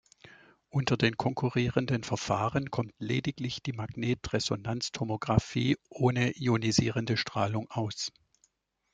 Unter den konkurrierenden Verfahren kommt lediglich die Magnetresonanztomografie ohne ionisierende Strahlung aus.